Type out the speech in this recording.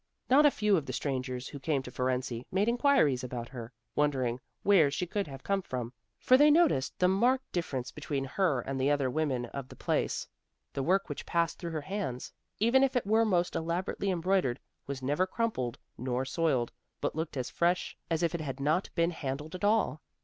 Not a few of the strangers who came to Fohrensee, made inquiries about her, wondering where she could have come from; for they noticed the marked difference between her and the other women of the place. The work which passed through her hands, even if it were most elaborately embroidered, was never crumpled nor soiled, but looked as fresh as if it had not been handled at all.